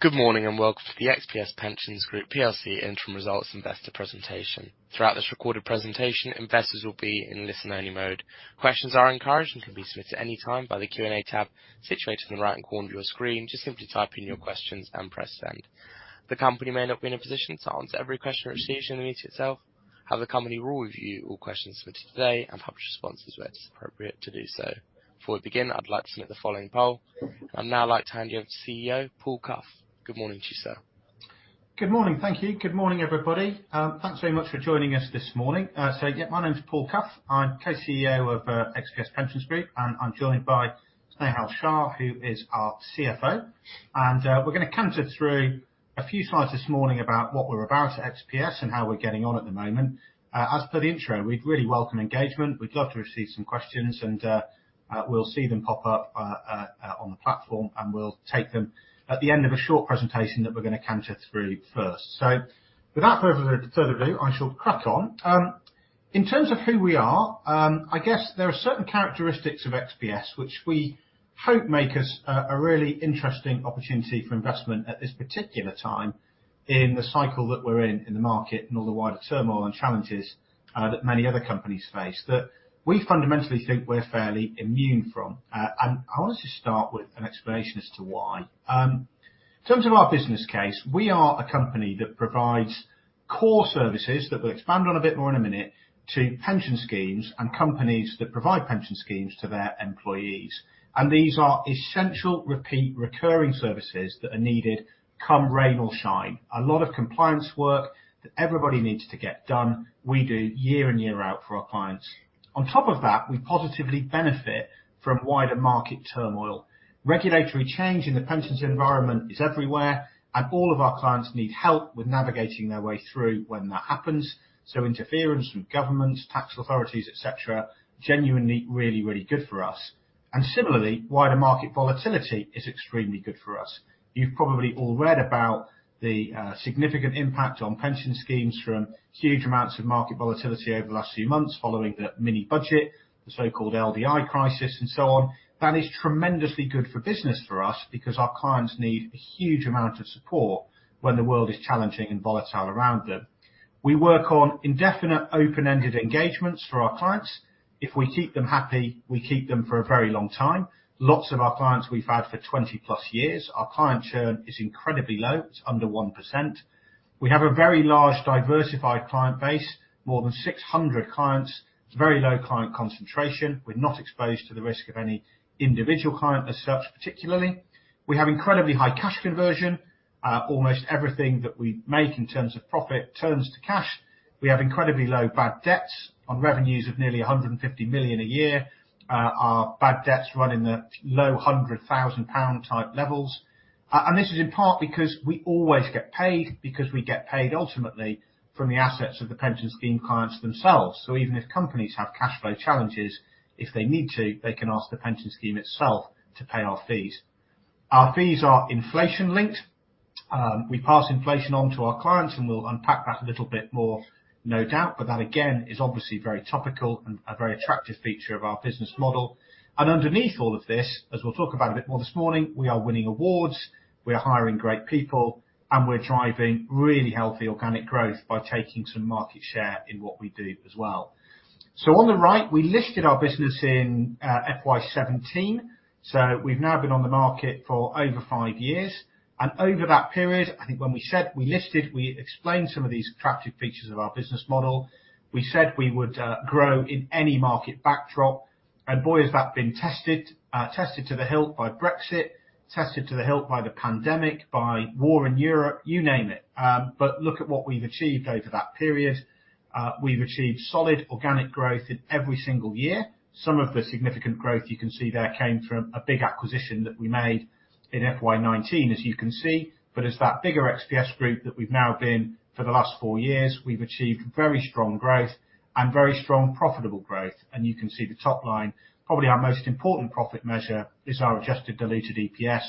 Good morning, welcome to the XPS Pensions Group plc Interim Results Investor Presentation. Throughout this recorded presentation, investors will be in listen-only mode. Questions are encouraged and can be submitted any time by the Q&A tab situated in the right-hand corner of your screen. Just simply type in your questions and press Send. The company may not be in a position to answer every question it receives during the meeting itself, the company will review all questions for today and publish responses where it's appropriate to do so. Before we begin, I'd like to submit the following poll. I'd now like to hand you over to CEO, Paul Cuff. Good morning to you, sir Good morning. Thank you. Good morning, everybody. Thanks very much for joining us this morning. Yeah, my name is Paul Cuff. I'm Co-CEO of XPS Pensions Group, and I'm joined by Snehal Shah, who is our CFO. We're gonna canter through a few slides this morning about what we're about at XPS and how we're getting on at the moment. As per the intro, we'd really welcome engagement. We'd love to receive some questions, we'll see them pop up on the platform, and we'll take them at the end of a short presentation that we're gonna canter through first. Without further ado, I shall crack on. In terms of who we are, I guess there are certain characteristics of XPS which we hope make us a really interesting opportunity for investment at this particular time in the cycle that we're in the market and all the wider turmoil and challenges that many other companies face, that we fundamentally think we're fairly immune from. I want to start with an explanation as to why. In terms of our business case, we are a company that provides core services, that we'll expand on a bit more in a minute, to pension schemes and companies that provide pension schemes to their employees. These are essential repeat recurring services that are needed come rain or shine. A lot of compliance work that everybody needs to get done, we do year in, year out for our clients. On top of that, we positively benefit from wider market turmoil. Regulatory change in the pensions environment is everywhere, and all of our clients need help with navigating their way through when that happens. Interference from governments, tax authorities, et cetera, genuinely really, really good for us. Similarly, wider market volatility is extremely good for us. You've probably all read about the significant impact on pension schemes from huge amounts of market volatility over the last few months following the mini budget, the so-called LDI crisis, and so on. That is tremendously good for business for us because our clients need a huge amount of support when the world is challenging and volatile around them. We work on indefinite open-ended engagements for our clients. If we keep them happy, we keep them for a very long time. Lots of our clients we've had for 20+ years. Our client churn is incredibly low, it's under 1%. We have a very large diversified client base, more than 600 clients. It's very low client concentration. We're not exposed to the risk of any individual client as such particularly. We have incredibly high cash conversion. Almost everything that we make in terms of profit turns to cash. We have incredibly low bad debts. On revenues of nearly 150 million a year, our bad debts run in the low 100,000 pound type levels. This is in part because we always get paid because we get paid ultimately from the assets of the pension scheme clients themselves. Even if companies have cash flow challenges, if they need to, they can ask the pension scheme itself to pay our fees. Our fees are inflation-linked. We pass inflation on to our clients, and we'll unpack that a little bit more, no doubt, but that, again, is obviously very topical and a very attractive feature of our business model. Underneath all of this, as we'll talk about a bit more this morning, we are winning awards, we are hiring great people, and we're driving really healthy organic growth by taking some market share in what we do as well. On the right, we listed our business in FY 17. We've now been on the market for over five years. Over that period, I think when we said we listed, we explained some of these attractive features of our business model. We said we would grow in any market backdrop. Boy, has that been tested. Tested to the hilt by Brexit, tested to the hilt by the pandemic, by war in Europe, you name it. Look at what we've achieved over that period. We've achieved solid organic growth in every single year. Some of the significant growth you can see there came from a big acquisition that we made in FY 2019, as you can see. As that bigger XPS group that we've now been for the last four years, we've achieved very strong growth and very strong profitable growth. You can see the top line, probably our most important profit measure is our adjusted diluted EPS,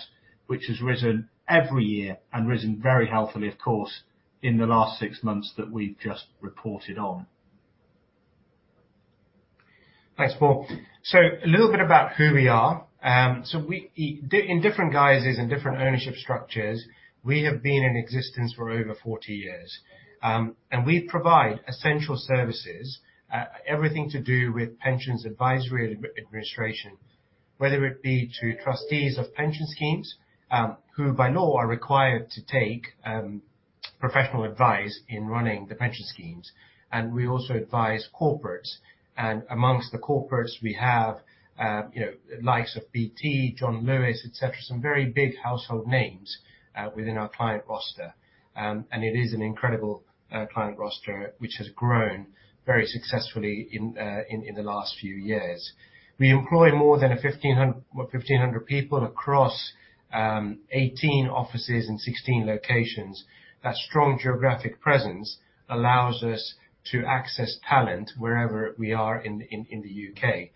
which has risen every year and risen very healthily, of course, in the last six months that we've just reported on. Thanks, Paul. A little bit about who we are. We, in different guises and different ownership structures, we have been in existence for over 40 years. We provide essential services, everything to do with pensions advisory and administration, whether it be to trustees of pension schemes, who by law are required to take professional advice in running the pension schemes. We also advise corporates. Amongst the corporates we have, you know, the likes of BT, John Lewis, et cetera, some very big household names within our client roster. It is an incredible client roster which has grown very successfully in the last few years. We employ more than 1,500 people across 18 offices in 16 locations. That strong geographic presence allows us to access talent wherever we are in the U.K.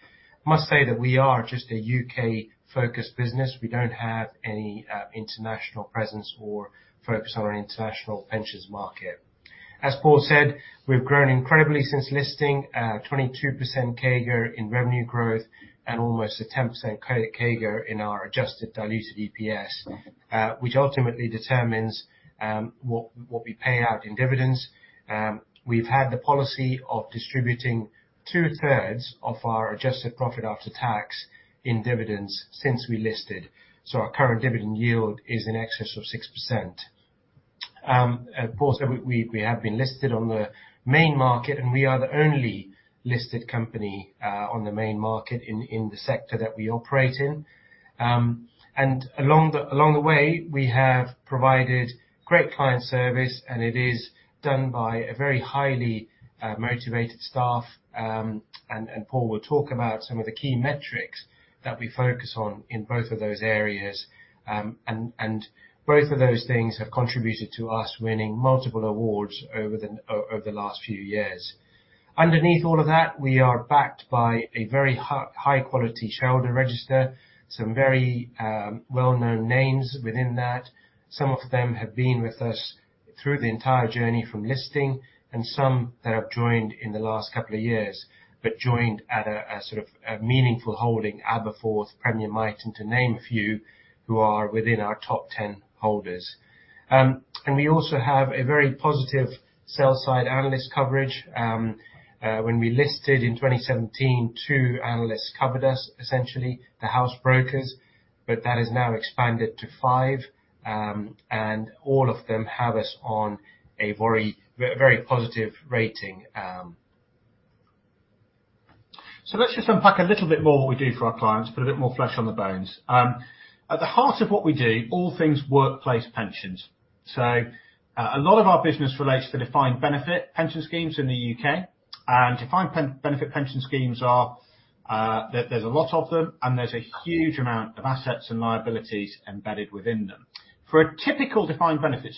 I must say that we are just a U.K.-focused business. We don't have any international presence or focus on our international pensions market. As Paul said, we've grown incredibly since listing, 22% CAGR in revenue growth and almost a 10% CAGR in our adjusted diluted EPS, which ultimately determines what we pay out in dividends. We've had the policy of distributing two-thirds of our adjusted profit after tax in dividends since we listed. Our current dividend yield is in excess of 6%. Of course, we have been listed on the main market, we are the only listed company on the main market in the sector that we operate in. Along the way, we have provided great client service, and it is done by a very highly motivated staff. Paul will talk about some of the key metrics that we focus on in both of those areas. Both of those things have contributed to us winning multiple awards over the last few years. Underneath all of that, we are backed by a very high quality shareholder register, some very well-known names within that. Some of them have been with us through the entire journey from listing and some that have joined in the last couple of years, but joined at a sort of a meaningful holding, Aberforth, Premier Miton, to name a few, who are within our top 10 holders. We also have a very positive sell side analyst coverage. When we listed in 2017, two analysts covered us, essentially the house brokers. That has now expanded to five. All of them have us on a very, very positive rating. Let's just unpack a little bit more what we do for our clients, put a little more flesh on the bones. At the heart of what we do, all things workplace pensions. A lot of our business relates to defined benefit pension schemes in the U.K. Defined benefit pension schemes are, there's a lot of them, and there's a huge amount of assets and liabilities embedded within them. For a typical defined benefit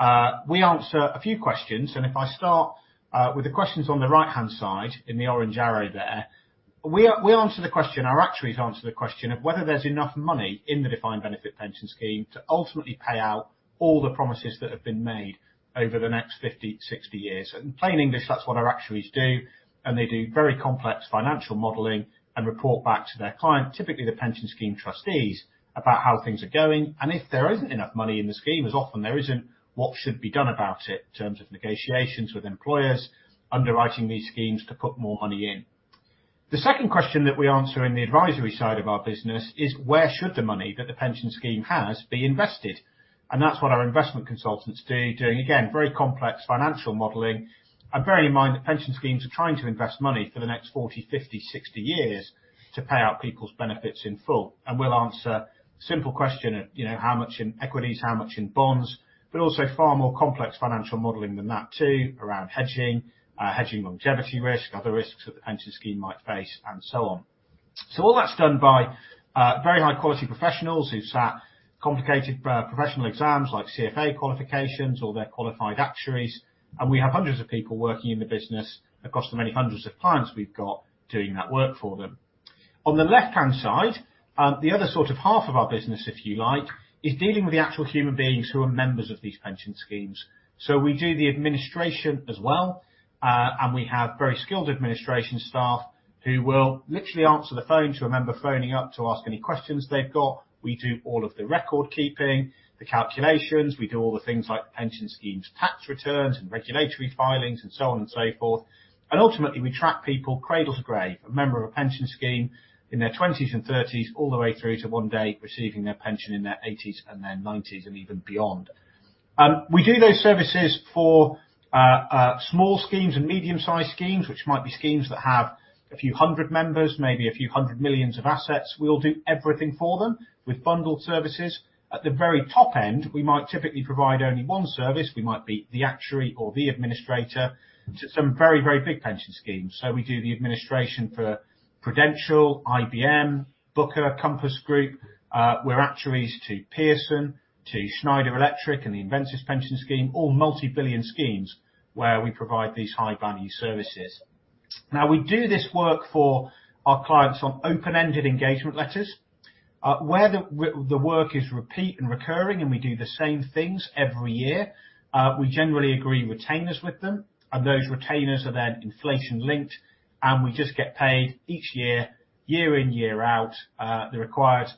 scheme, we answer a few questions, and if I start with the questions on the right-hand side in the orange arrow there, we answer the question, our actuaries answer the question of whether there's enough money in the defined benefit pension scheme to ultimately pay out all the promises that have been made over the next 50, 60 years. In plain English, that's what our actuaries do, and they do very complex financial modeling and report back to their client, typically the pension scheme trustees, about how things are going, and if there isn't enough money in the scheme, as often there isn't, what should be done about it in terms of negotiations with employers underwriting these schemes to put more money in. The second question that we answer in the advisory side of our business is: where should the money that the pension scheme has be invested? That's what our investment consultants do, doing, again, very complex financial modeling. Bearing in mind that pension schemes are trying to invest money for the next 40, 50, 60 years to pay out people's benefits in full. We'll answer simple question of, you know, how much in equities, how much in bonds, but also far more complex financial modeling than that too, around hedging longevity risk, other risks that the pension scheme might face and so on. All that's done by very high-quality professionals who've sat complicated professional exams like CFA qualifications or they're qualified actuaries. We have hundreds of people working in the business across the many hundreds of clients we've got doing that work for them. On the left-hand side, the other sort of half of our business, if you like, is dealing with the actual human beings who are members of these pension schemes. We do the administration as well, and we have very skilled administration staff who will literally answer the phone to a member phoning up to ask any questions they've got. We do all of the record keeping, the calculations, we do all the things like pension schemes tax returns and regulatory filings and so on and so forth. Ultimately, we track people cradle to grave. A member of a pension scheme in their 20s and 30s all the way through to one day receiving their pension in their 80s and their 90s and even beyond. We do those services for small schemes and medium-sized schemes, which might be schemes that have a few hundred members, maybe a few hundred million GBP of assets. We'll do everything for them with bundled services. At the very top end, we might typically provide only one service. We might be the actuary or the administrator to some very, very big pension schemes. We do the administration for Prudential, IBM, Booker, Compass Group. We're actuaries to Pearson, to Schneider Electric and the Invensys pension scheme, all multi-billion schemes where we provide these high-value services. We do this work for our clients on open-ended engagement letters. Where the work is repeat and recurring, and we do the same things every year, we generally agree retainers with them, and those retainers are then inflation-linked, and we just get paid each year in, year out, the required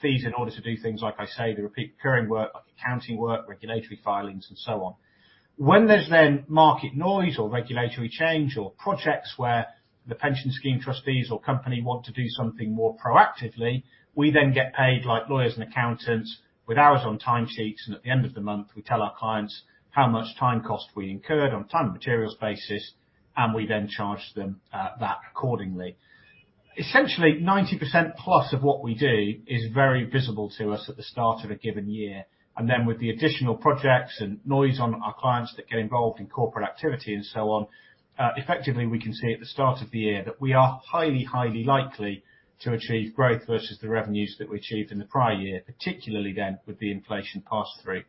fees in order to do things like I say, the repeat recurring work like accounting work, regulatory filings and so on. When there's then market noise or regulatory change or projects where the pension scheme trustees or company want to do something more proactively, we then get paid like lawyers and accountants with hours on time sheets, and at the end of the month, we tell our clients how much time cost we incurred on time and materials basis, and we then charge them that accordingly. Essentially, 90% plus of what we do is very visible to us at the start of a given year. With the additional projects and noise on our clients that get involved in corporate activity and so on. Effectively we can see at the start of the year that we are highly likely to achieve growth versus the revenues that we achieved in the prior year, particularly again with the inflation pass-through.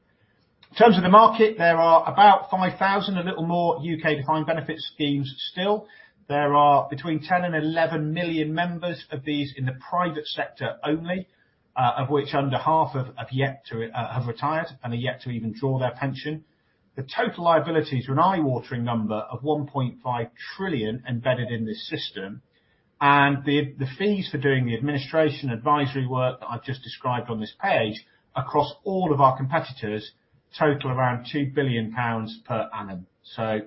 In terms of the market, there are about 5,000, a little more U.K. defined benefit schemes still. There are between 10 million and 11 million members of these in the private sector only, of which under half have yet to have retired and are yet to even draw their pension. The total liabilities are an eye-watering number of 1.5 trillion embedded in this system. The fees for doing the administration advisory work that I've just described on this page, across all of our competitors total around 2 billion pounds per annum.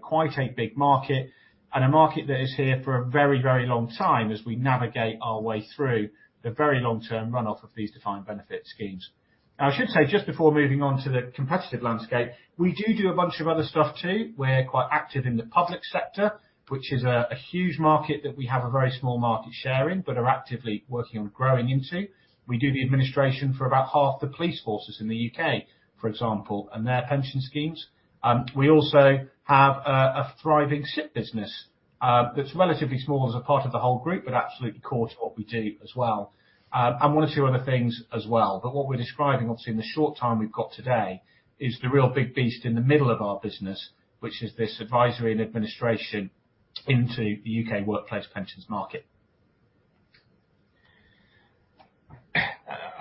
Quite a big market and a market that is here for a very, very long time as we navigate our way through the very long-term runoff of these defined benefit schemes. I should say, just before moving on to the competitive landscape, we do a bunch of other stuff too. We're quite active in the public sector, which is a huge market that we have a very small market share in, but are actively working on growing into. We do the administration for about half the police forces in the U.K., for example, and their pension schemes. We also have a thriving SIP business that's relatively small as a part of the whole group, but absolutely core to what we do as well. And one or two other things as well. What we're describing, obviously in the short time we've got today, is the real big beast in the middle of our business, which is this advisory and administration into the U.K. workplace pensions market.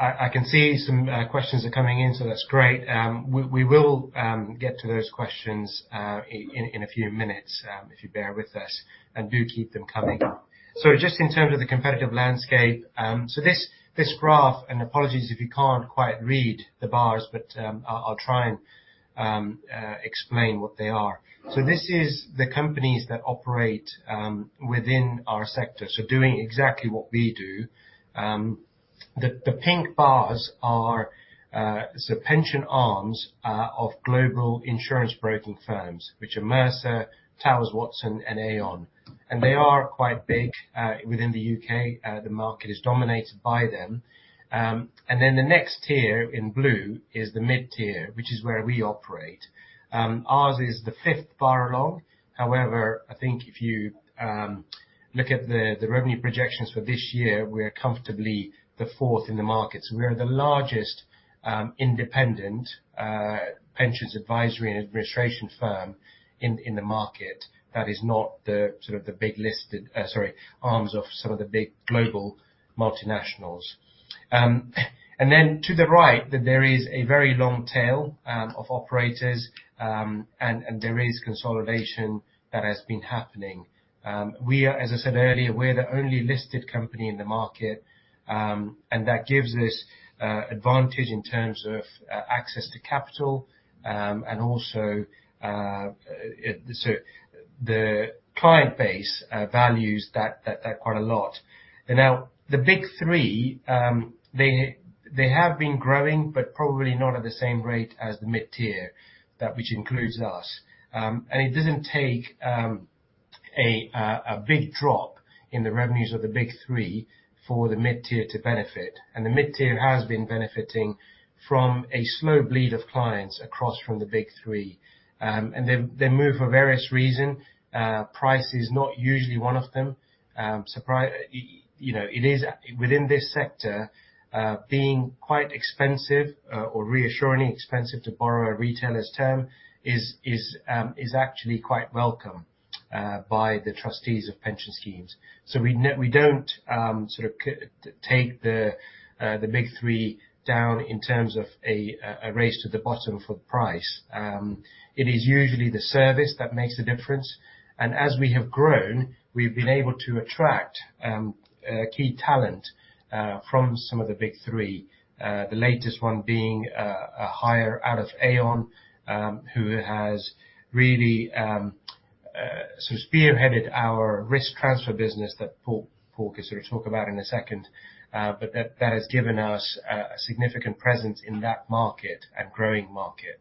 I can see some questions are coming in, that's great. We will get to those questions in a few minutes, if you bear with us, and do keep them coming. Just in terms of the competitive landscape. This graph, apologies if you can't quite read the bars, I'll try and explain what they are. This is the companies that operate within our sector, doing exactly what we do. The pink bars are pension arms of global insurance broking firms, which are Mercer, Towers Watson, and Aon. They are quite big within the U.K. The market is dominated by them. The next tier in blue is the mid-tier, which is where we operate. Ours is the fifth bar along. I think if you look at the revenue projections for this year, we are comfortably the fourth in the market. We are the largest independent pensions advisory and administration firm in the market that is not the sort of the big listed arms of some of the big global multinationals. To the right, there is a very long tail of operators, and there is consolidation that has been happening. We are, as I said earlier, we're the only listed company in the market, and that gives us advantage in terms of access to capital, and also the client base values that quite a lot. The Big Three, they have been growing, but probably not at the same rate as the mid-tier, that which includes us. It doesn't take a big drop in the revenues of the Big Three for the mid-tier to benefit. The mid-tier has been benefiting from a slow bleed of clients across from the Big Three. They move for various reason. Price is not usually one of them. Surprise, you know, it is within this sector, being quite expensive, or reassuringly expensive to borrow a retailer's term is actually quite welcome by the trustees of pension schemes. We don't sort of take the Big Three down in terms of a race to the bottom for price. It is usually the service that makes the difference, and as we have grown, we've been able to attract key talent from some of the Big Three. The latest one being a hire out of Aon, who has really sort of spearheaded our risk transfer business that Paul can sort of talk about in a second. That has given us a significant presence in that market, a growing market.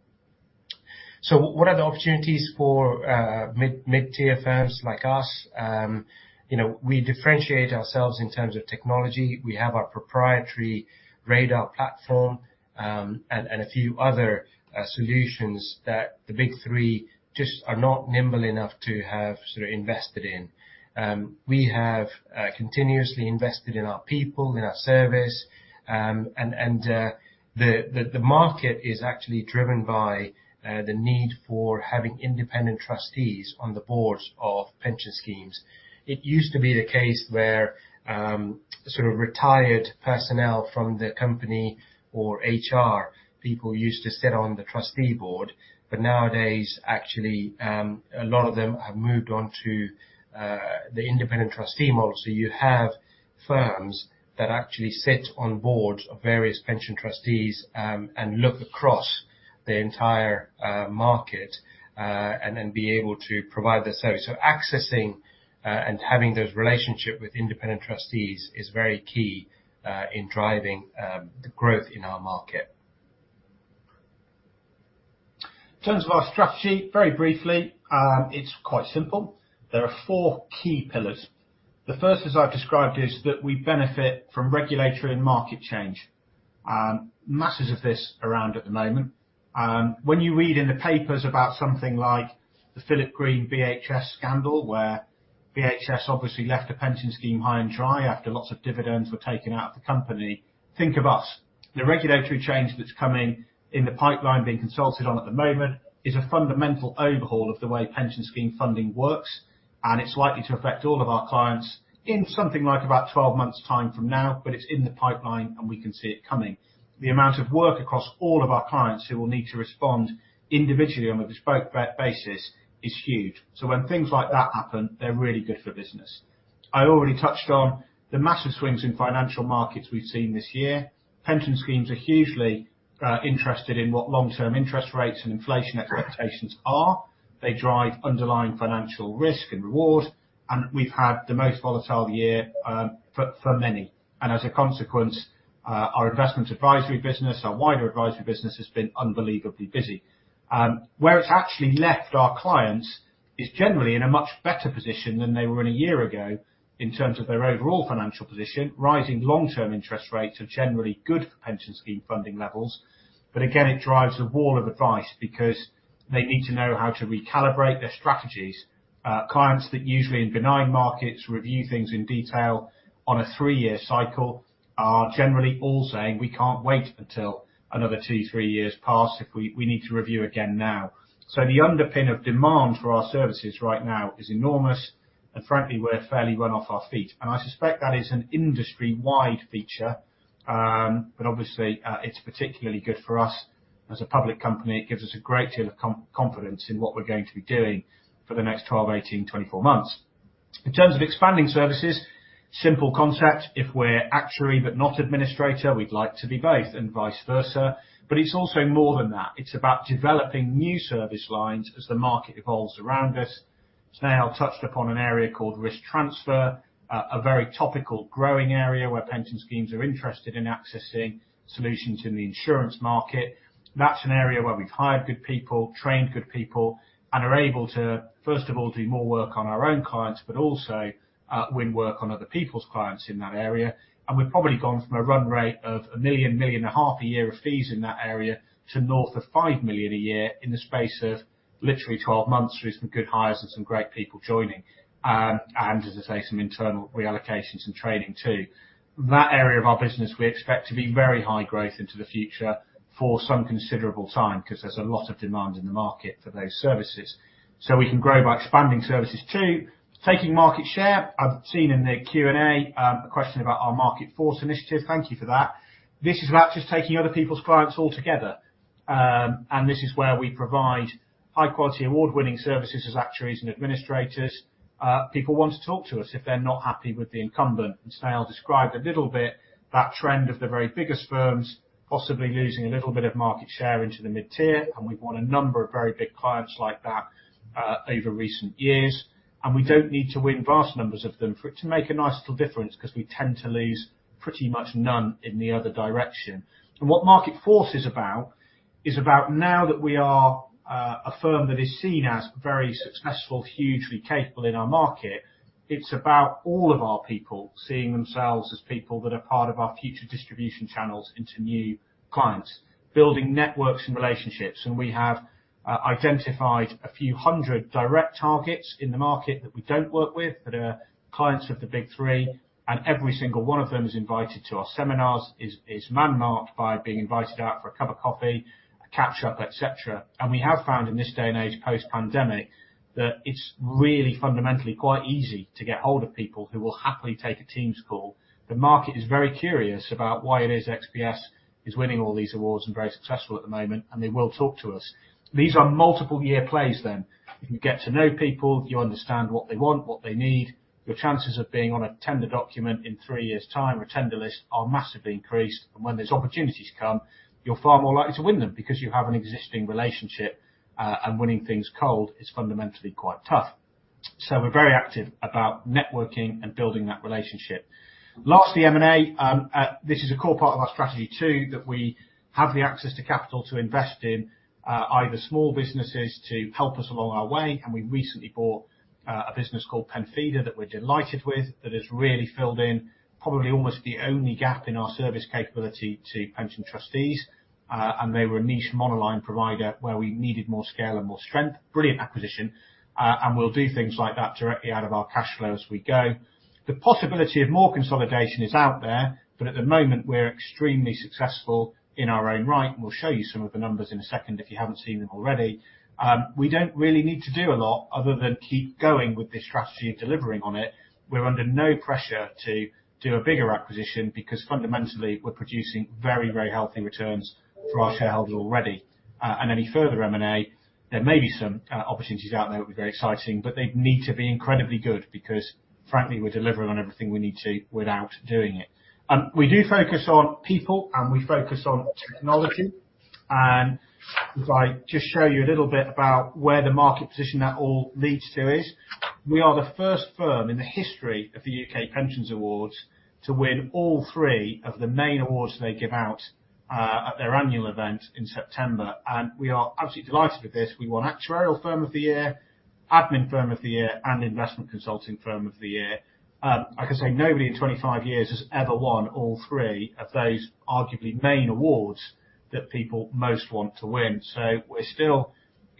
What are the opportunities for mid-tier firms like us? You know, we differentiate ourselves in terms of technology. We have our proprietary Radar platform, and a few other solutions that the Big Three just are not nimble enough to have sort of invested in. We have continuously invested in our people, in our service. The market is actually driven by the need for having independent trustees on the boards of pension schemes. It used to be the case where sort of retired personnel from the company or HR people used to sit on the trustee board, but nowadays actually, a lot of them have moved on to the independent trustee model. You have firms that actually sit on boards of various pension trustees and look across the entire market and then be able to provide the service. Accessing and having those relationships with independent trustees is very key in driving the growth in our market. In terms of our strategy, very briefly, it's quite simple. There are four key pillars. The first, as I've described, is that we benefit from regulatory and market change. Masses of this around at the moment. When you read in the papers about something like the Philip Green BHS scandal, where BHS obviously left a pension scheme high and dry after lots of dividends were taken out of the company, think of us. The regulatory change that's coming in the pipeline being consulted on at the moment is a fundamental overhaul of the way pension scheme funding works, and it's likely to affect all of our clients in something like about 12 months' time from now, but it's in the pipeline, and we can see it coming. The amount of work across all of our clients who will need to respond individually on a bespoke basis is huge. When things like that happen, they're really good for business. I already touched on the massive swings in financial markets we've seen this year. Pension schemes are hugely interested in what long-term interest rates and inflation expectations are. They drive underlying financial risk and reward, and we've had the most volatile year for many. As a consequence, our investment advisory business, our wider advisory business has been unbelievably busy. Where it's actually left our clients is generally in a much better position than they were in a year ago in terms of their overall financial position. Rising long-term interest rates are generally good for pension scheme funding levels, but again, it drives a wall of advice because they need to know how to recalibrate their strategies. Clients that usually in benign markets review things in detail on a three-year cycle are generally all saying, "We can't wait until another two, three years pass. If we need to review again now." The underpin of demand for our services right now is enormous, and frankly, we're fairly run off our feet, and I suspect that is an industry-wide feature. Obviously, it's particularly good for us as a public company. It gives us a great deal of confidence in what we're going to be doing for the next 12, 18, 24 months. In terms of expanding services, simple concept, if we're actuary but not administrator, we'd like to be both and vice versa. It's also more than that. It's about developing new service lines as the market evolves around us. Snell touched upon an area called risk transfer, a very topical growing area where pension schemes are interested in accessing solutions in the insurance market. That's an area where we've hired good people, trained good people, and are able to, first of all, do more work on our own clients, but also win work on other people's clients in that area. We've probably gone from a run rate of a million and a half GBP a year of fees in that area to north of 5 million a year in the space of literally 12 months through some good hires and some great people joining. As I say, some internal reallocations and training too. That area of our business we expect to be very high growth into the future for some considerable time 'cause there's a lot of demand in the market for those services. We can grow by expanding services too. Taking market share. I've seen in the Q&A, a question about our Marketforce initiative. Thank you for that. This is about just taking other people's clients altogether. This is where we provide high-quality award-winning services as actuaries and administrators. People want to talk to us if they're not happy with the incumbent. Snell described a little bit that trend of the very biggest firms possibly losing a little bit of market share into the mid-tier, and we've won a number of very big clients like that over recent years. We don't need to win vast numbers of them for it to make a nice little difference 'cause we tend to lose pretty much none in the other direction. What Market Force is about, is about now that we are a firm that is seen as very successful, hugely capable in our market, it's about all of our people seeing themselves as people that are part of our future distribution channels into new clients. Building networks and relationships, and we have identified a few hundred direct targets in the market that we don't work with, that are clients of the Big Three, and every single one of them is invited to our seminars, is manmarked by being invited out for a cup of coffee, a catch up, et cetera. We have found in this day and age, post-pandemic, that it's really fundamentally quite easy to get hold of people who will happily take a Teams call. The market is very curious about why it is XPS is winning all these awards and very successful at the moment. They will talk to us. These are multiple year plays then. You get to know people, you understand what they want, what they need. Your chances of being on a tender document in three years' time or tender list are massively increased. When those opportunities come, you're far more likely to win them because you have an existing relationship, and winning things cold is fundamentally quite tough. We're very active about networking and building that relationship. Lastly, M&A. This is a core part of our strategy too, that we have the access to capital to invest in, either small businesses to help us along our way. We recently bought a business called Penfida that we're delighted with, that has really filled in probably almost the only gap in our service capability to pension trustees. They were a niche monoline provider where we needed more scale and more strength. Brilliant acquisition. We'll do things like that directly out of our cash flow as we go. The possibility of more consolidation is out there. At the moment, we're extremely successful in our own right, we'll show you some of the numbers in a second if you haven't seen them already. We don't really need to do a lot other than keep going with this strategy and delivering on it. We're under no pressure to do a bigger acquisition because fundamenally, we're producing very, very healthy returns for our shareholders already. Any further M&A, there may be some opportunities out there that'll be very exciting, but they need to be incredibly good because frankly, we're delivering on everything we need to without doing it. We do focus on people, and we focus on technology. If I just show you a little bit about where the market position that all leads to is, we are the first firm in the history of the UK Pensions Awards to win all three of the main awards they give out at their annual event in September. We are absolutely delighted with this. We won Actuarial Firm of the Year-Admin Firm of the Year and Investment Consulting Firm of the Year. I can say nobody in 25 years has ever won all three of those arguably main awards that people most want to win. We're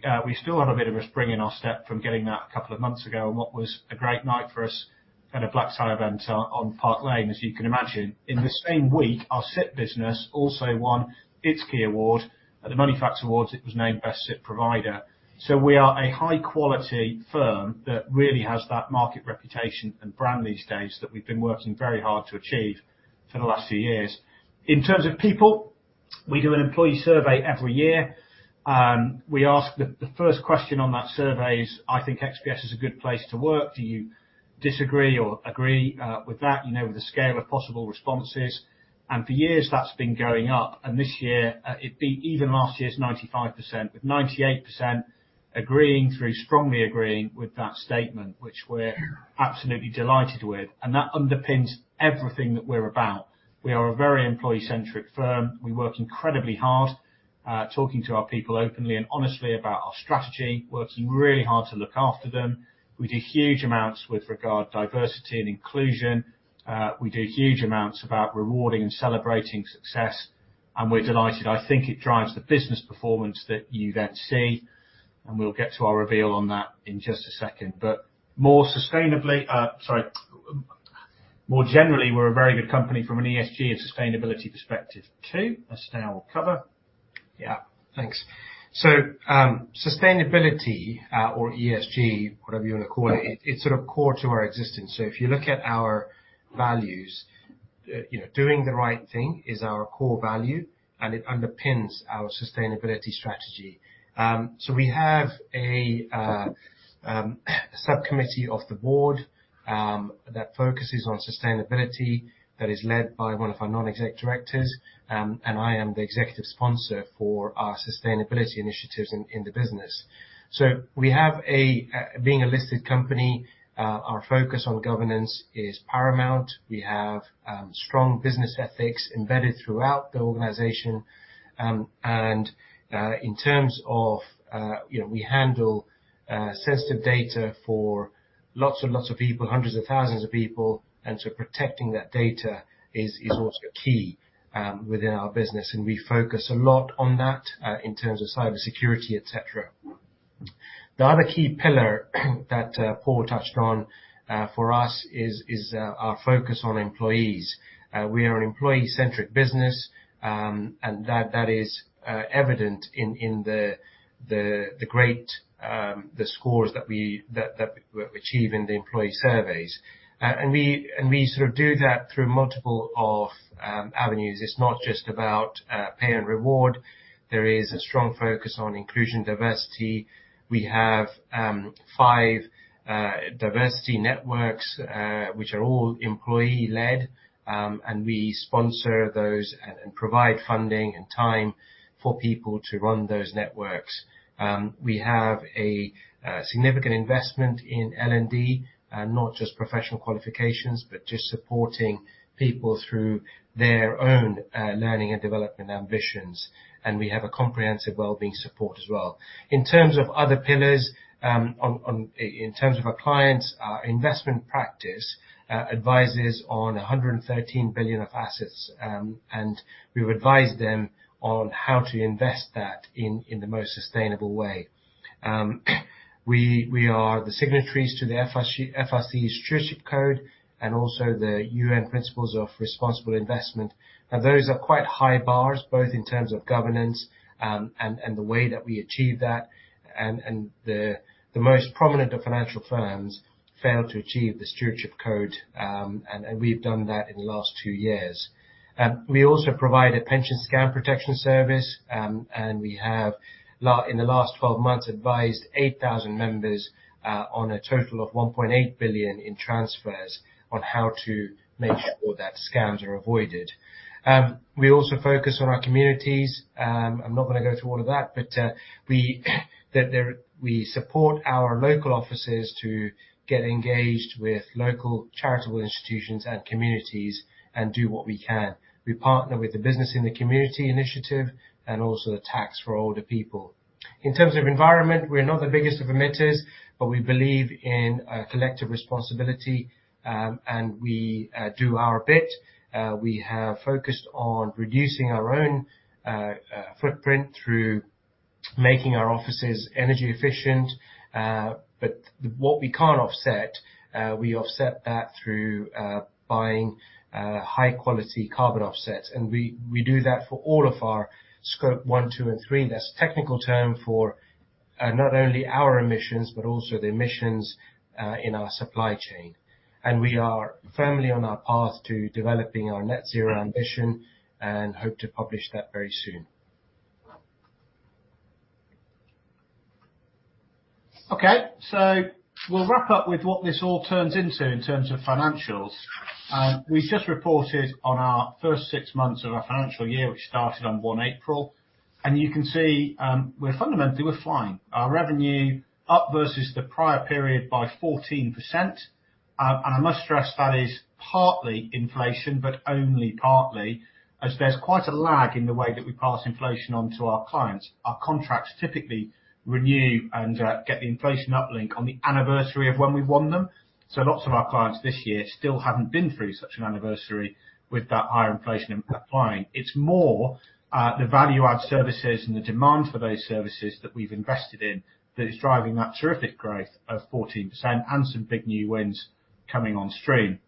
still, we still have a bit of a spring in our step from getting that a couple of months ago on what was a great night for us at a black tie event on Park Lane, as you can imagine. In the same week, our SIPP business also won its key award at the Moneyfacts Awards. It was named Best SIPP Provider. We are a high quality firm that really has that market reputation and brand these days that we've been working very hard to achieve for the last few years. In terms of people, we do an employee survey every year. We ask the first question on that survey is, I think XPS is a good place to work. Do you disagree or agree with that? You know, with a scale of possible responses. For years that's been going up, this year it beat even last year's 95%, with 98% agreeing through strongly agreeing with that statement, which we're absolutely delighted with. That underpins everything that we're about. We are a very employee-centric firm. We work incredibly hard talking to our people openly and honestly about our strategy, working really hard to look after them. We do huge amounts with regard to diversity and inclusion. We do huge amounts about rewarding and celebrating success, and we're delighted. I think it drives the business performance that you then see, and we'll get to our reveal on that in just a second. More sustainably. Sorry. More generally, we're a very good company from an ESG and sustainability perspective too. Asna will cover. Yeah, thanks. Sustainability, or ESG, whatever you wanna call it. Yeah... it's sort of core to our existence. If you look at our values, you know, doing the right thing is our core value, and it underpins our sustainability strategy. We have a subcommittee of the board that focuses on sustainability, that is led by one of our non-exec directors, and I am the executive sponsor for our sustainability initiatives in the business. We have a being a listed company, our focus on governance is paramount. We have strong business ethics embedded throughout the organization. In terms of, you know, we handle sensitive data for lots and lots of people, hundreds of thousands of people, protecting that data is also key within our business, and we focus a lot on that in terms of cybersecurity, et cetera. The other key pillar that Paul touched on for us is our focus on employees. We are an employee-centric business, and that is evident in the great scores that we achieve in the employee surveys. We sort of do that through multiple avenues. It's not just about pay and reward. There is a strong focus on inclusion, diversity. We have 5 diversity networks, which are all employee-led, and we sponsor those and provide funding and time for people to run those networks. We have a significant investment in L&D, not just professional qualifications, but just supporting people through their own learning and development ambitions. We have a comprehensive wellbeing support as well. In terms of other pillars, in terms of our clients, our investment practice advises on 113 billion of assets, and we've advised them on how to invest that in the most sustainable way. We are the signatories to the FRC Stewardship Code and also the UN Principles for Responsible Investment. Those are quite high bars, both in terms of governance and the way that we achieve that, and the most prominent of financial firms fail to achieve the Stewardship Code, and we've done that in the last 2 years. We also provide a pension scam protection service. In the last 12 months, advised 8,000 members on a total of 1.8 billion in transfers on how to make sure that scams are avoided. We also focus on our communities. I'm not gonna go through all of that, we support our local offices to get engaged with local charitable institutions and communities and do what we can. We partner with the Business in the Community initiative and also the Tax Help for Older People. In terms of environment, we're not the biggest of emitters, we believe in a collective responsibility, we do our bit. We have focused on reducing our own footprint through making our offices energy efficient. What we can't offset, we offset that through buying high quality carbon offsets. We do that for all of our Scope 1, 2, and 3. That's a technical term for not only our emissions, but also the emissions in our supply chain. We are firmly on our path to developing our net zero ambition and hope to publish that very soon. Okay. We'll wrap up with what this all turns into in terms of financials. We just reported on our first 6 months of our financial year, which started on one April. You can see, we're fundamentally, we're flying. Our revenue up versus the prior period by 14%. I must stress that is partly inflation, but only partly, as there's quite a lag in the way that we pass inflation on to our clients. Our contracts typically renew and get the inflation uplink on the anniversary of when we won them. Lots of our clients this year still haven't been through such an anniversary with that higher inflation applying. It's more, the value-add services and the demand for those services that we've invested in that is driving that terrific growth of 14% and some big new wins coming on stream.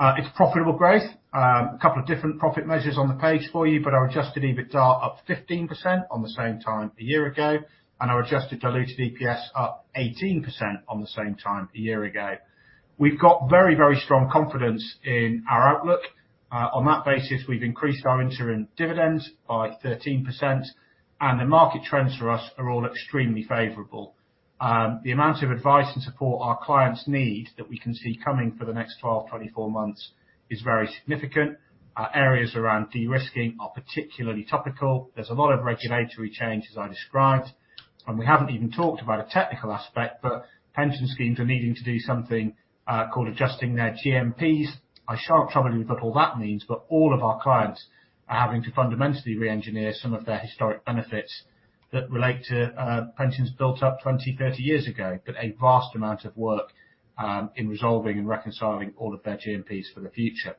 It's profitable growth. A couple of different profit measures on the page for you. Our adjusted EBITDA up 15% on the same time a year ago. Our adjusted diluted EPS up 18% on the same time a year ago. We've got very strong confidence in our outlook. On that basis, we've increased our interim dividend by 13%. The market trends for us are all extremely favorable. The amount of advice and support our clients need that we can see coming for the next 12, 24 months is very significant. Our areas around de-risking are particularly topical. There's a lot of regulatory change, as I described. We haven't even talked about a technical aspect. Pension schemes are needing to do something called adjusting their GMPs. I shall trouble you with what all that means, but all of our clients are having to fundamentally reengineer some of their historic benefits that relate to pensions built up 20, 30 years ago, but a vast amount of work in resolving and reconciling all of their GMPs for the future.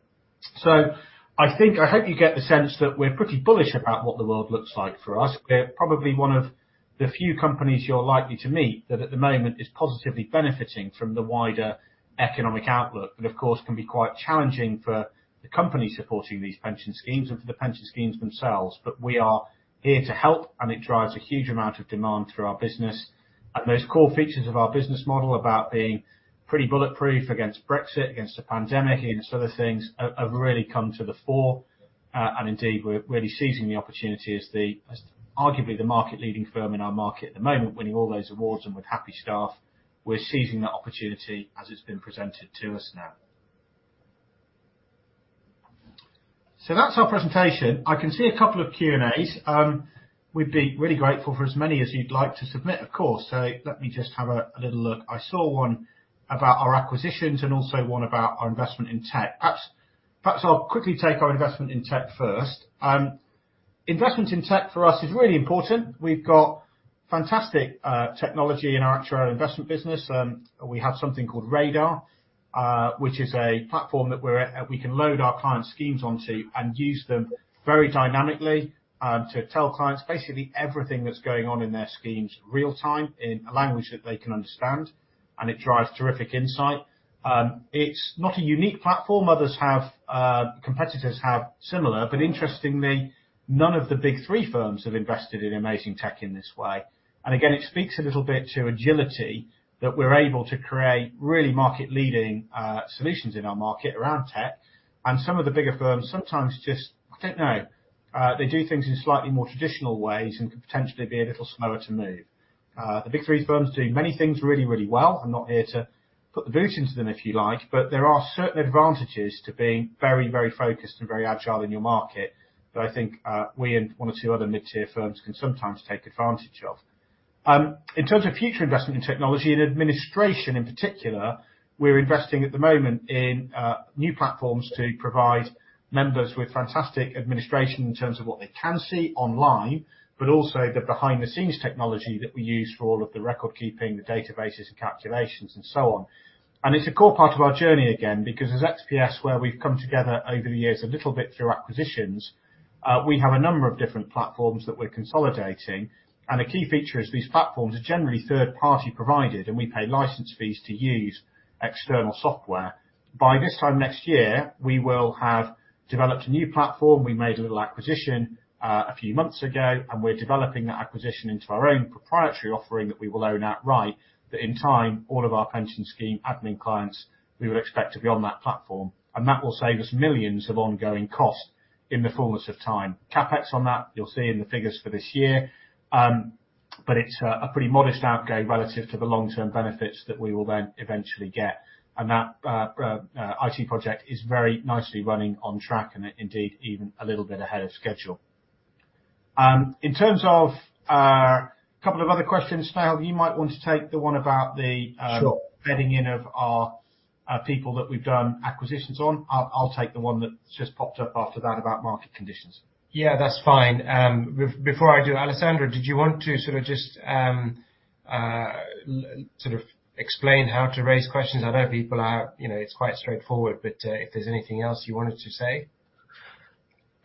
I hope you get the sense that we're pretty bullish about what the world looks like for us. We're probably one of the few companies you're likely to meet that at the moment is positively benefiting from the wider economic outlook, but of course, can be quite challenging for the companies supporting these pension schemes and for the pension schemes themselves. We are here to help, and it drives a huge amount of demand through our business. Those core features of our business model about being pretty bulletproof against Brexit, against the pandemic, against other things, have really come to the fore. Indeed, we're really seizing the opportunity as arguably the market-leading firm in our market at the moment, winning all those awards and with happy staff. We're seizing that opportunity as it's been presented to us now. That's our presentation. I can see a couple of Q&As. We'd be really grateful for as many as you'd like to submit, of course. Let me just have a little look. I saw one about our acquisitions and also one about our investment in tech. Perhaps I'll quickly take our investment in tech first. Investment in tech for us is really important. We've got fantastic technology in our actual investment business. We have something called Radar, which is a platform that we're at, we can load our clients' schemes onto and use them very dynamically, to tell clients basically everything that's going on in their schemes real-time in a language that they can understand. It drives terrific insight. It's not a unique platform. Others have, competitors have similar, interestingly, none of the Big Three firms have invested in amazing tech in this way. Again, it speaks a little bit to agility that we're able to create really market-leading solutions in our market around tech. Some of the bigger firms sometimes just, I don't know, they do things in slightly more traditional ways and could potentially be a little slower to move. The Big Three firms do many things really, really well. I'm not here to put the boot into them, if you like. There are certain advantages to being very, very focused and very agile in your market that I think we and one or two other mid-tier firms can sometimes take advantage of. In terms of future investment in technology and administration in particular, we're investing at the moment in new platforms to provide members with fantastic administration in terms of what they can see online, but also the behind-the-scenes technology that we use for all of the record keeping, the databases, the calculations and so on. It's a core part of our journey, again, because as XPS, where we've come together over the years a little bit through acquisitions, we have a number of different platforms that we're consolidating. A key feature is these platforms are generally third-party provided, and we pay license fees to use external software. By this time next year, we will have developed a new platform. We made a little acquisition a few months ago, and we're developing that acquisition into our own proprietary offering that we will own outright, that in time, all of our pension scheme admin clients, we would expect to be on that platform. That will save us millions of ongoing costs in the fullness of time. CapEx on that, you'll see in the figures for this year, but it's a pretty modest outlay relative to the long-term benefits that we will then eventually get. That IT project is very nicely running on track and, indeed, even a little bit ahead of schedule. In terms of a couple of other questions, Niall, you might want to take the one. Sure. Bedding in of our people that we've done acquisitions on. I'll take the one that just popped up after that about market conditions. Yeah, that's fine. Before I do, Alessandro, did you want to sort of just, sort of explain how to raise questions? I know people are... You know, it's quite straightforward, but, if there's anything else you wanted to say?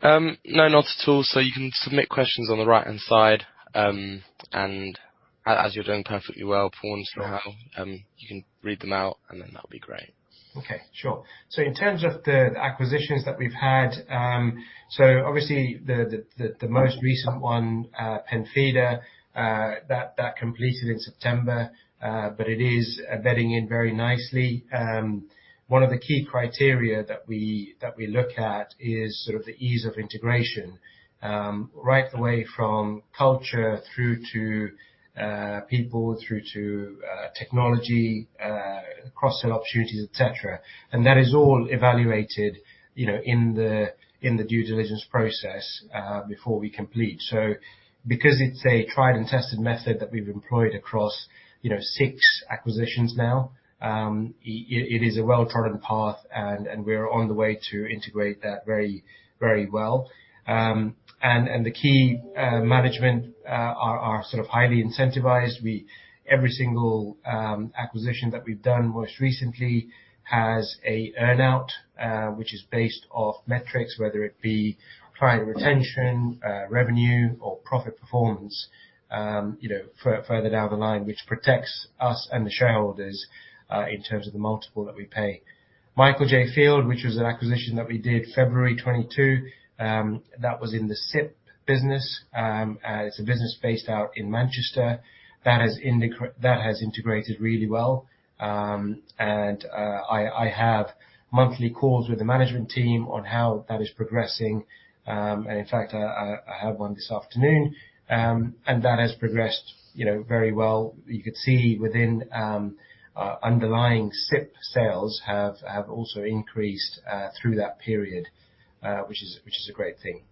No, not at all. You can submit questions on the right-hand side, and as you're doing perfectly well, Paul and Suhail. Sure. You can read them out and then that'll be great. Okay. Sure. In terms of the acquisitions that we've had, obviously the most recent one, Penfida, that completed in September, but it is bedding in very nicely. One of the key criteria that we look at is sort of the ease of integration, right the way from culture through to people through to technology, cross-sell opportunities, et cetera. That is all evaluated, you know, in the due diligence process before we complete. Because it's a tried and tested method that we've employed across, you know, six acquisitions now, it is a well-trodden path, and we're on the way to integrate that very, very well. And the key management are sort of highly incentivized. Every single acquisition that we've done most recently has a earn-out, which is based off metrics, whether it be client retention, revenue or profit performance, you know, further down the line, which protects us and the shareholders in terms of the multiple that we pay. Michael J. Field, which was an acquisition that we did February 2022, that was in the SIPP business. It's a business based out in Manchester. That has integrated really well. I have monthly calls with the management team on how that is progressing. In fact, I have one this afternoon, and that has progressed, you know, very well. You could see within underlying SIPP sales have also increased through that period, which is a great thing.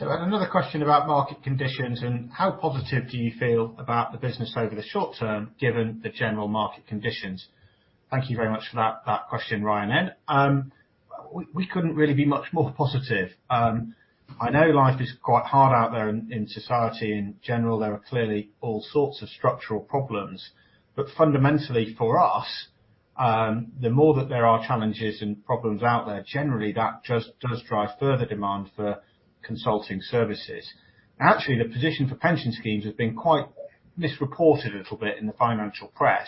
Another question about market conditions and how positive do you feel about the business over the short term given the general market conditions? Thank you very much for that question, Ryan N. We couldn't really be much more positive. I know life is quite hard out there in society in general. There are clearly all sorts of structural problems. Fundamentally for us, the more that there are challenges and problems out there, generally that just does drive further demand for consulting services. Actually, the position for pension schemes has been quite misreported a little bit in the financial press.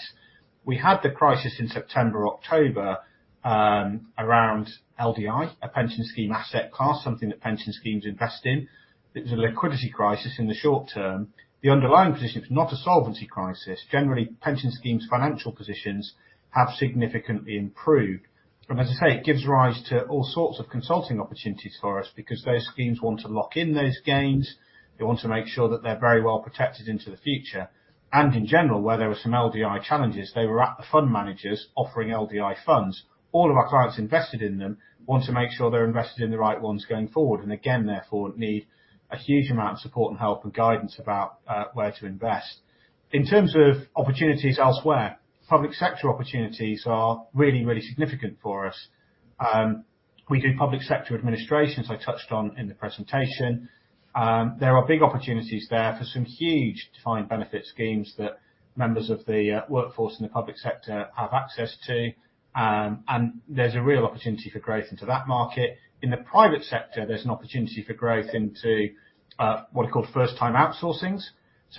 We had the crisis in September, October, around LDI, a pension scheme asset class, something that pension schemes invest in. It was a liquidity crisis in the short term. The underlying position is not a solvency crisis. Generally, pension schemes' financial positions have significantly improved. As I say, it gives rise to all sorts of consulting opportunities for us because those schemes want to lock in those gains. They want to make sure that they're very well protected into the future. In general, where there were some LDI challenges, they were at the fund managers offering LDI funds. All of our clients invested in them want to make sure they're invested in the right ones going forward, and again, therefore need a huge amount of support and help and guidance about where to invest. In terms of opportunities elsewhere, public sector opportunities are really, really significant for us. We do public sector administrations I touched on in the presentation. There are big opportunities there for some huge defined benefit schemes that members of the workforce in the public sector have access to, there's a real opportunity for growth into that market. In the private sector, there's an opportunity for growth into what are called first-time outsourcings.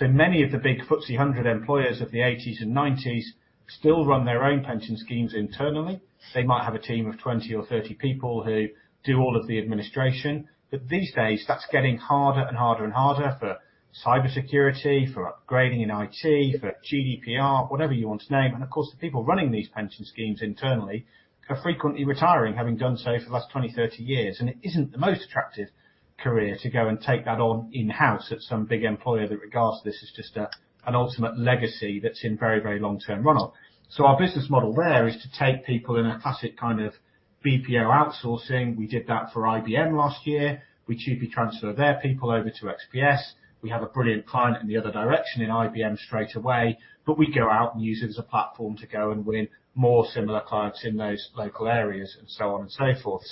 Many of the big FTSE 100 employers of the 1980s and 1990s still run their own pension schemes internally. They might have a team of 20 or 30 people who do all of the administration. These days, that's getting harder and harder and harder for cybersecurity, for upgrading in IT, for GDPR, whatever you want to name. Of course, the people running these pension schemes internally are frequently retiring, having done so for the last 20, 30 years. It isn't the most attractive career to go and take that on in-house at some big employer that regards this as just a, an ultimate legacy that's in very, very long-term run-up. Our business model there is to take people in a classic kind of BPO outsourcing. We did that for IBM last year. We TUPE transfer their people over to XPS. We have a brilliant client in the other direction in IBM straightaway. We go out and use it as a platform to go and win more similar clients in those local areas and so on and so forth.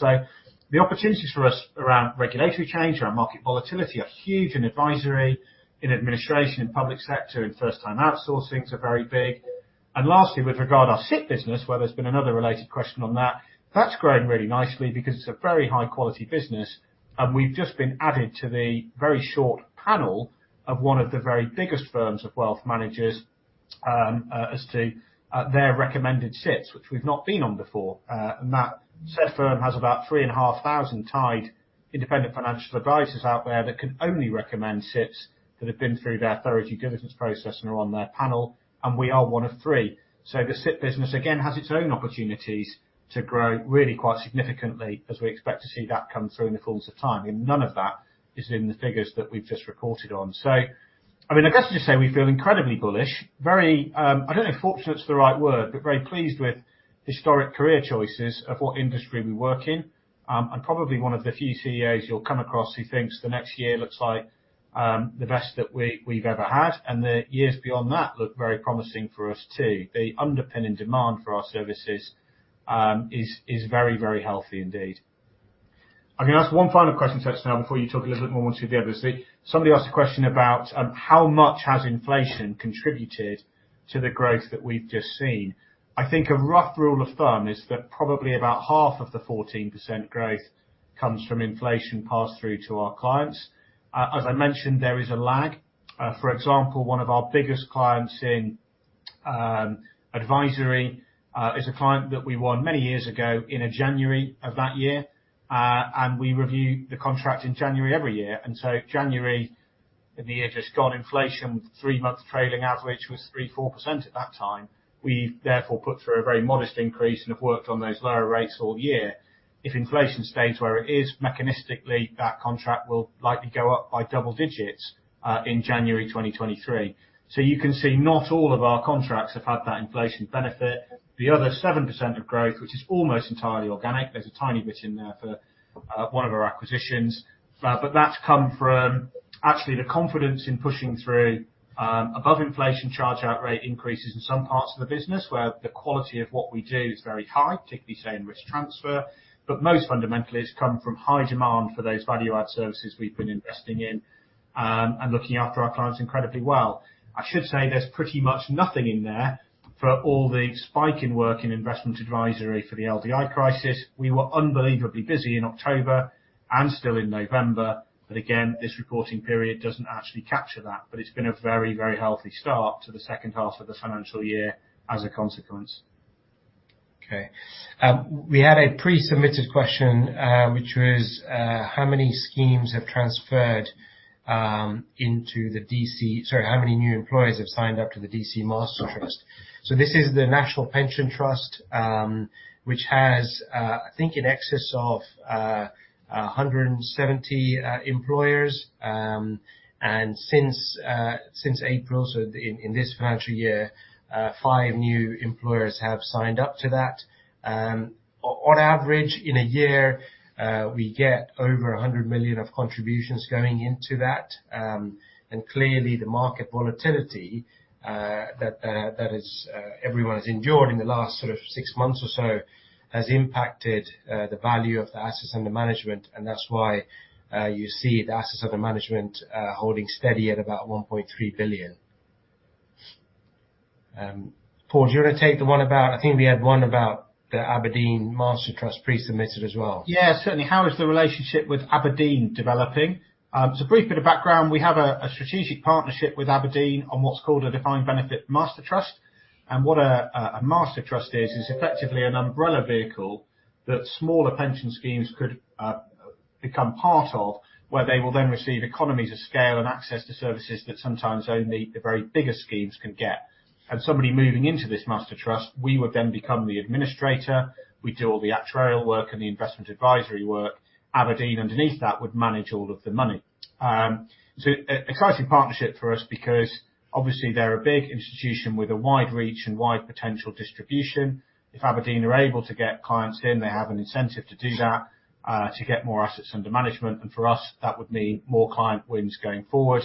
The opportunities for us around regulatory change, around market volatility are huge in advisory, in administration, in public sector, in first-time outsourcing, so very big. Lastly, with regard our SIPP business, where there's been another related question on that's grown really nicely because it's a very high quality business, and we've just been added to the very short panel of one of the very biggest firms of wealth managers, as to their recommended SIPPs, which we've not been on before. That said firm has about 3,500 tied independent financial advisors out there that can only recommend SIPPs that have been through their thorough due diligence process and are on their panel, and we are one of three. The SIPP business again has its own opportunities to grow really quite significantly as we expect to see that come through in the course of time. None of that is in the figures that we've just reported on. I mean, I guess to just say we feel incredibly bullish, very, I don't know if fortunate is the right word, but very pleased with historic career choices of what industry we work in. I'm probably one of the few CEOs you'll come across who thinks the next year looks like the best that we've ever had, and the years beyond that look very promising for us too. The underpinning demand for our services is very, very healthy indeed. I'm gonna ask one final question to Asna before you talk a little bit more once we get there. Obviously, somebody asked a question about how much has inflation contributed to the growth that we've just seen. I think a rough rule of thumb is that probably about half of the 14% growth comes from inflation passed through to our clients. As I mentioned, there is a lag. For example, one of our biggest clients in advisory is a client that we won many years ago in a January of that year, and we review the contract in January every year. January. In the year just gone, inflation 3-4% at that time. We've therefore put through a very modest increase and have worked on those lower rates all year. If inflation stays where it is, mechanistically, that contract will likely go up by double digits in January 2023. You can see not all of our contracts have had that inflation benefit. The other 7% of growth, which is almost entirely organic, there's a tiny bit in there for one of our acquisitions. That's come from actually the confidence in pushing through above inflation charge-out rate increases in some parts of the business where the quality of what we do is very high, particularly, say, in risk transfer. Most fundamentally, it's come from high demand for those value-add services we've been investing in and looking after our clients incredibly well. I should say there's pretty much nothing in there for all the spike in work in investment advisory for the LDI crisis. We were unbelievably busy in October and still in November. Again, this reporting period doesn't actually capture that. It's been a very, very healthy start to the second half of the financial year as a consequence. Okay. We had a pre-submitted question, which was, how many schemes have transferred into the DC... Sorry, how many new employers have signed up to the DC Master Trust? This is the National Pension Trust, which has, I think in excess of 170 employers. Since April, so in this financial year, 5 new employers have signed up to that. On average, in a year, we get over 100 million of contributions going into that. Clearly the market volatility that everyone has endured in the last sort of 6 months or so has impacted the value of the assets under management. That's why you see the assets under management holding steady at about 1.3 billion. Paul, do you wanna take the one about... I think we had one about the Aberdeen Master Trust pre-submitted as well. Certainly. How is the relationship with aberdeen developing? So a brief bit of background. We have a strategic partnership with aberdeen on what's called a defined benefit master trust. What a master trust is effectively an umbrella vehicle that smaller pension schemes could become part of, where they will then receive economies of scale and access to services that sometimes only the very biggest schemes can get. Somebody moving into this master trust, we would then become the administrator. We do all the actuarial work and the investment advisory work. aberdeen, underneath that, would manage all of the money. So exciting partnership for us because obviously they're a big institution with a wide reach and wide potential distribution. If aberdeen are able to get clients in, they have an incentive to do that to get more assets under management. For us, that would mean more client wins going forward,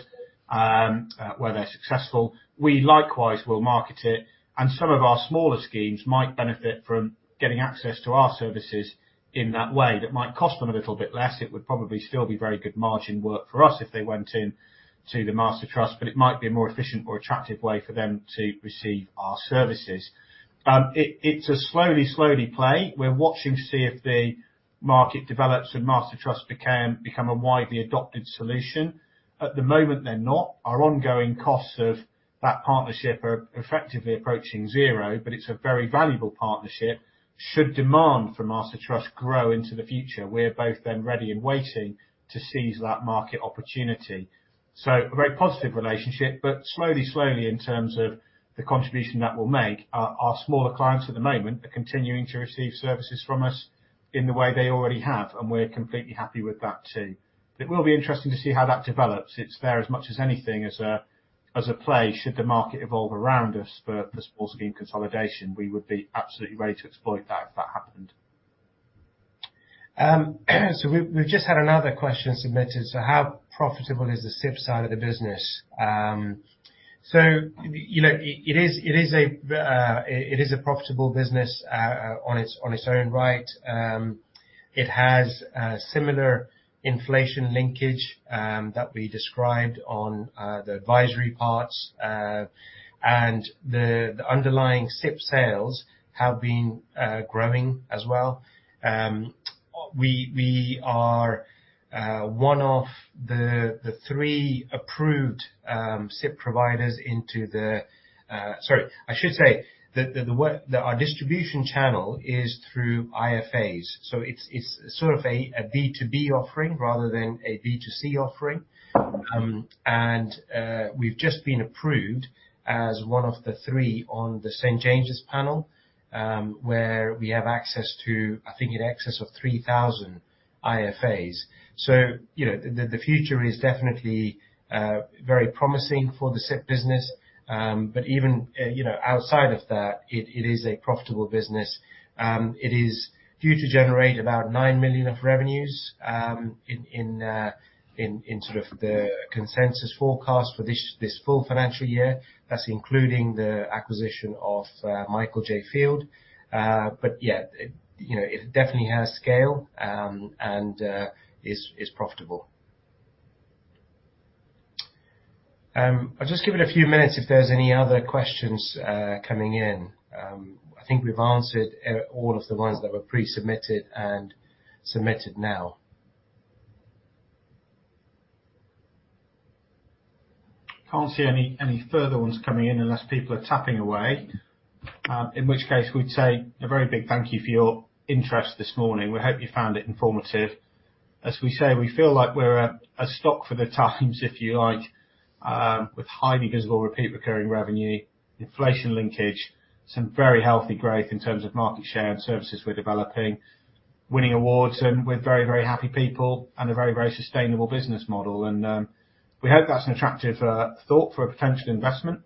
where they're successful. We likewise will market it, and some of our smaller schemes might benefit from getting access to our services in that way. That might cost them a little bit less. It would probably still be very good margin work for us if they went in to the master trust, but it might be a more efficient or attractive way for them to receive our services. It's a slowly play. We're watching to see if the market develops and master trust become a widely adopted solution. At the moment they're not. Our ongoing costs of that partnership are effectively approaching zero, but it's a very valuable partnership. Should demand for master trust grow into the future, we're both then ready and waiting to seize that market opportunity. A very positive relationship, but slowly in terms of the contribution that will make. Our smaller clients at the moment are continuing to receive services from us in the way they already have, and we're completely happy with that too. It will be interesting to see how that develops. It's there as much as anything as a play should the market evolve around us for the small scheme consolidation. We would be absolutely ready to exploit that if that happened. We've just had another question submitted. How profitable is the SIPP side of the business? You know, it is a profitable business on its own right. It has similar inflation linkage that we described on the advisory parts. The underlying SIPP sales have been growing as well. We are one of the three approved SIPP providers. Sorry. I should say that our distribution channel is through IFAs. It's sort of a B to B offering rather than a B to C offering. We've just been approved as one of the three on the St. James's panel, where we have access to, I think, in excess of 3,000 IFAs. You know, the future is definitely very promising for the SIPP business. Even, you know, outside of that, it is a profitable business. It is due to generate about 9 million of revenues in sort of the consensus forecast for this full financial year. That's including the acquisition of Michael J Field. Yeah, it, you know, it definitely has scale and is profitable. I'll just give it a few minutes if there's any other questions coming in. I think we've answered all of the ones that were pre-submitted and submitted now. Can't see any further ones coming in unless people are tapping away. In which case we'd say a very big thank you for your interest this morning. We hope you found it informative. As we say, we feel like we're a stock for the times if you like, with highly visible repeat recurring revenue, inflation linkage, some very healthy growth in terms of market share and services we're developing, winning awards, and with very happy people and a very sustainable business model. We hope that's an attractive thought for a potential investment.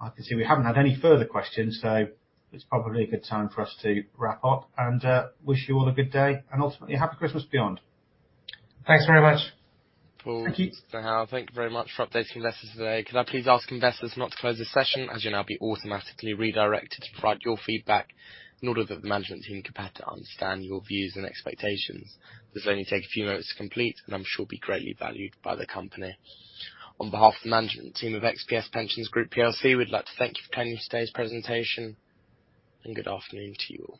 I can see we haven't had any further questions, so it's probably a good time for us to wrap up and wish you all a good day and ultimately a happy Christmas beyond. Thanks very much. Paul- Thank you. Howard, thank you very much for updating investors today. Could I please ask investors not to close this session, as you'll now be automatically redirected to provide your feedback in order that the management team can better understand your views and expectations. This will only take a few minutes to complete, and I'm sure it'll be greatly valued by the company. On behalf of the management team of XPS Pensions Group plc, we'd like to thank you for attending today's presentation, and good afternoon to you all.